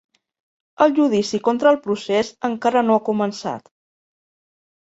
El judici contra el procés encara no ha començat.